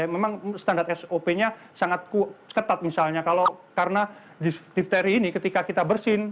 memang standar sop nya sangat ketat misalnya kalau karena difteri ini ketika kita bersin